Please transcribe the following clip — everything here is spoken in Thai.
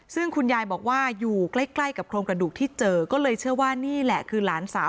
ซึ่งคุณยายบอกว่าอยู่ใกล้ใกล้กับโครงกระดูกที่เจอก็เลยเชื่อว่านี่แหละคือหลานสาว